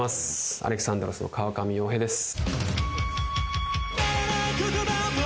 ［Ａｌｅｘａｎｄｒｏｓ］の川上洋平です。